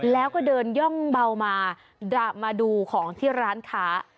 แล้วก็เดินย่องเบามาดะมาดูของที่ร้านค้า